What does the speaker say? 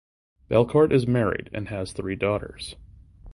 Belcourt is married and has three daughters.